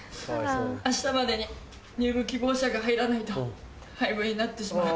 明日までに入部希望者が入らないと廃部になってしまう。